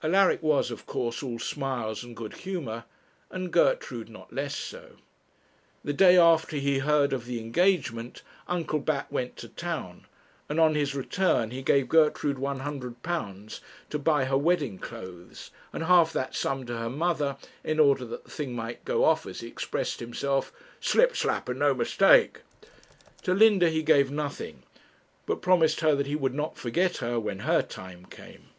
Alaric was, of course, all smiles and good humour, and Gertrude not less so. The day after he heard of the engagement Uncle Bat went to town, and, on his return, he gave Gertrude £100 to buy her wedding clothes, and half that sum to her mother, in order that the thing might go off, as he expressed himself, 'slip slap, and no mistake.' To Linda he gave nothing, but promised her that he would not forget her when her time came.